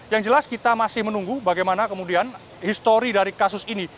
yang jelas kita masih menunggu bagaimana kemudian histori dari kasus ini